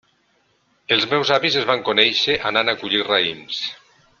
Els meus avis es van conèixer anant a collir raïms.